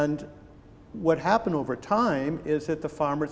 dan apa yang terjadi dengan waktu ini adalah